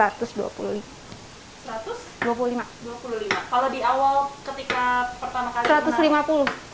kalau di awal ketika pertama kali menaik